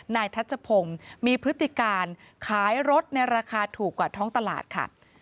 ทัชพงศ์มีพฤติการขายรถในราคาถูกกว่าท้องตลาดค่ะ